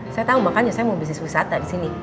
saya tahu makanya saya mau bisnis wisata di sini